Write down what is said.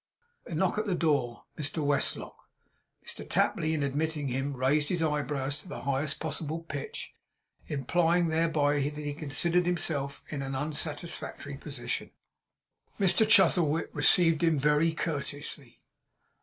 A knock at the door. Mr Westlock. Mr Tapley, in admitting him, raised his eyebrows to the highest possible pitch, implying thereby that he considered himself in an unsatisfactory position. Mr Chuzzlewit received him very courteously.